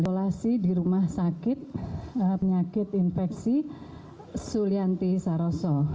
di rolasi di rumah sakit penyakit infeksi sulianti saroso